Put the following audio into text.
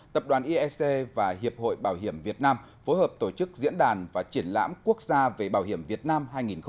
tập đoàn iec và hiệp hội bảo hiểm việt nam phối hợp tổ chức diễn đàn và triển lãm quốc gia về bảo hiểm việt nam hai nghìn một mươi chín